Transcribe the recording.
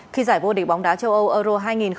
khi giải vô địch bóng đá châu âu euro hai nghìn hai mươi